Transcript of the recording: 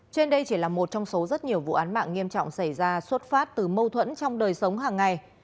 trên đây chỉ là một trong số rất nhiều vụ án mạng nghiêm trọng xảy ra xuất phát từ mâu thuẫn trong đời sống hàng ngày